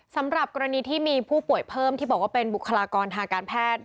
สำหรับกรณีที่มีผู้ป่วยเพิ่มที่บอกว่าเป็นบุคลากรทางการแพทย์